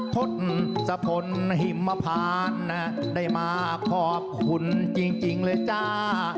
ทศพลหิมพานได้มาขอบคุณจริงเลยจ้า